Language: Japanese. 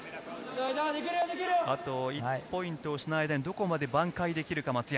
あと１ポイントを失う間にどこまで挽回できるか、松山。